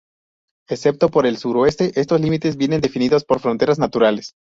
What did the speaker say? Excepto por el suroeste estos límites vienen definidos por fronteras naturales.